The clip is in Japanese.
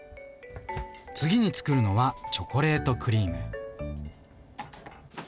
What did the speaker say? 次につくるのはチョコレートクリーム。